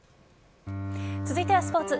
続いてはスポーツ。